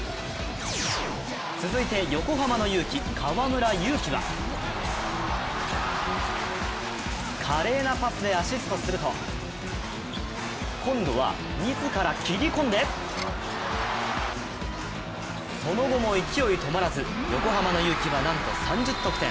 続いて横浜のユウキ、河村勇輝は華麗なパスでアシストすると今度は自ら切り込んでその後も勢い止まらず横浜のユウキはなんと３０得点。